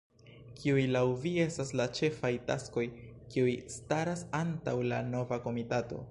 Kiuj laŭ vi estas la ĉefaj taskoj, kiuj staras antaŭ la nova komitato?